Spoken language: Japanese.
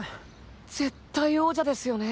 絶対王者ですよね